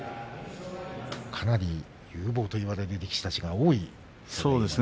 かなり有望と言われる力士たちが多いですね。